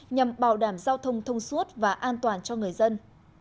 nhằm bảo đảm giao thông thông suốt và an toàn cho người dân